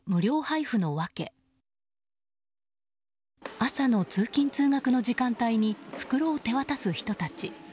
朝の通勤・通学の時間帯に袋を手渡す人たち。